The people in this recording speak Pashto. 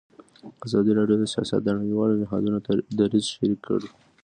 ازادي راډیو د سیاست د نړیوالو نهادونو دریځ شریک کړی.